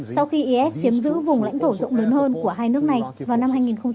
sau khi is chiếm giữ vùng lãnh thổ rộng lớn hơn của hai nước này vào năm hai nghìn một mươi